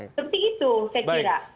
seperti itu saya kira